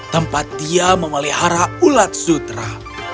tempat dia memelihara ulat sutra